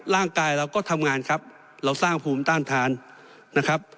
ร่างกายเราก็ทำงานครับเราสร้างภูมิต้านทานนะครับ